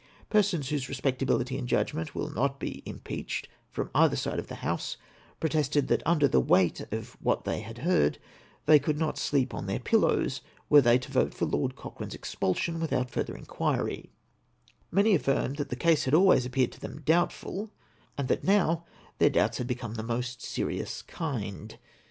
Persons whose respectability and judgment will not be impeached from either side of the House protested that under the weiglit of what they had heard they could not sleep on their pillows were they to vote for Lord Cochrane's expulsion without further inquiry : many affirmed that the case had always appeared to them doubtful, and that now their doubts had become of the most serious kind.